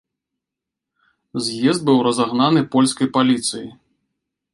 З'езд быў разагнаны польскай паліцыяй.